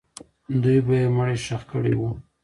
دوی به یې مړی ښخ کړی وو.